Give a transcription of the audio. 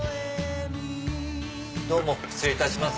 どうも失礼いたします。